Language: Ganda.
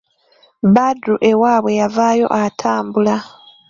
Badru ewaabye yavaayo atambula.